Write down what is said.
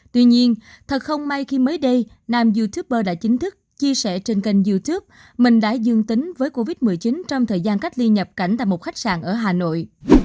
tuy nhiên thật không may khi mới đây nam youtuber đã chính thức chia sẻ trên kênh youtube mình đã dương tính với covid một mươi chín trong thời gian cách ly nhập cảnh tại một khách sạn ở hà nội